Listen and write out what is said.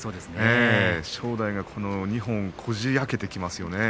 正代が二本こじあけてきますよね。